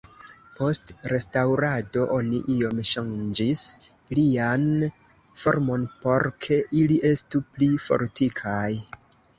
Post restaŭrado oni iom ŝanĝis ilian formon por ke ili estu pli fortikaj.